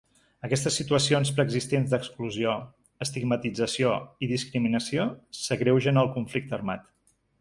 Aquestes situacions preexistents d’exclusió, estigmatització i discriminació, s’agreugen al conflicte armat.